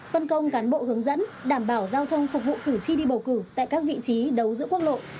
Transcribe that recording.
phân công cán bộ hướng dẫn đảm bảo giao thông phục vụ cử tri đi bầu cử tại các vị trí đấu giữa quốc lộ